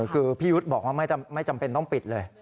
คือพี่ยุทธ์บอกว่าไม่จำเป็นต้องปิดเลย